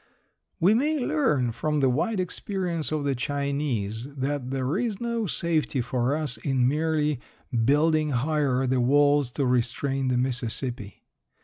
We may learn from the wide experience of the Chinese that there is no safety for us in merely building higher the walls to restrain the Mississippi.